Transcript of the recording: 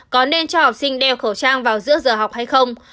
có nên cho học sinh đeo khẩu trang vào giữa giờ học hay không